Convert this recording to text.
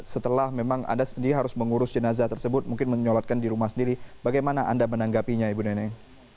setelah memang anda sendiri harus mengurus jenazah tersebut mungkin menyolatkan di rumah sendiri bagaimana anda menanggapinya ibu neneng